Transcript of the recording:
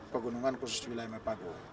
pegunungan khusus wilayah meepago